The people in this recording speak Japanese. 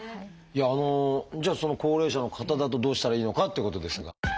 じゃあ高齢者の方だとどうしたらいいのかっていうことですが。